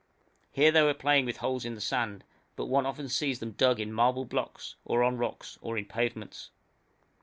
Here they were playing with holes in the sand, but one often sees them dug in marble blocks, or on rocks, or in pavements.